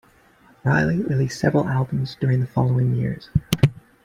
Riley released several albums during the following years.